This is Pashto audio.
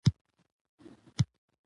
د ادارو اصلاح اړینه ده